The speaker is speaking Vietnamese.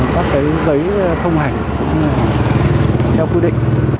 các giấy thông hành theo quy định